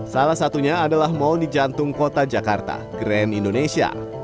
salah satunya adalah mal di jantung kota jakarta grand indonesia